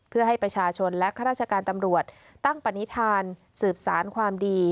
เพื่อให้ประชาชนและข้าราชการตำรวจตั้งปณิธานสืบสารความดี